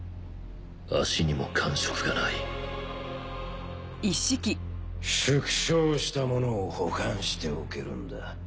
足にも感触がない縮小したものを保管しておけるんだ。